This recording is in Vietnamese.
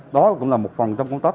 đó cũng là một phần trong công tác